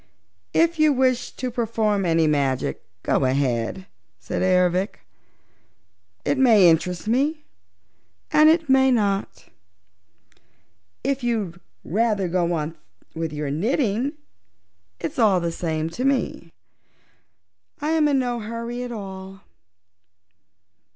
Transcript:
"If you wish to perform any magic, go ahead," said Ervic. "It may interest me and it may not. If you'd rather go on with your knitting, it's all the same to me. I am in no hurry at all."